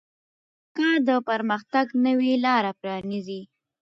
کار د پرمختګ نوې لارې پرانیزي